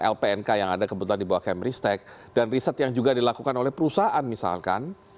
lpnk yang ada kebetulan di bawah kemristek dan riset yang juga dilakukan oleh perusahaan misalkan